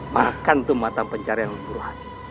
makan tuh mata penjara yang buruk hati